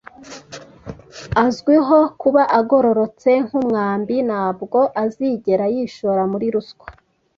Azwiho kuba agororotse nk'umwambi. Ntabwo azigera yishora muri ruswa.